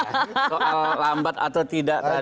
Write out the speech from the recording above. soal lambat atau tidak